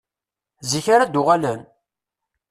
Zik ara d-uɣalen?